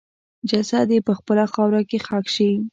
جسد یې په خپله خاوره کې ښخ شي.